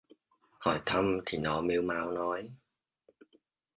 Hỏi thăm thì nó mếu máo nói